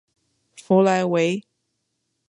弗莱维。